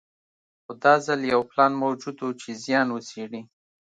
خو دا ځل یو پلان موجود و چې زیان وڅېړي.